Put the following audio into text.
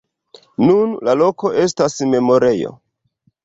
Nun la loko estas memorejo.